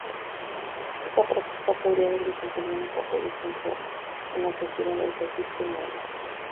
Esta práctica podría haber desempeñado un papel esencial en las sociedades egipcia y maya.